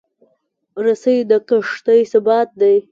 رسۍ د کښتۍ ثبات دی.